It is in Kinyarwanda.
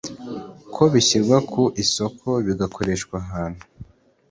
ko bishyirwa ku isoko bigakoreshwa ahantu